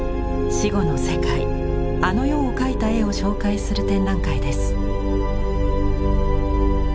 死後の世界「あの世」を描いた絵を紹介する展覧会です。